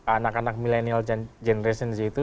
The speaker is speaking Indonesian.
anak anak millennial generation itu